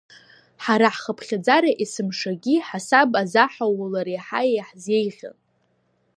Ҳара, ҳхыԥхьаӡара есымшагьы ҳасаб азаҳаулар еиҳа иаҳзеиӷьын.